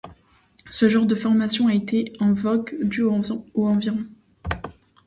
Ce genre de formation a été en vogue du au environ.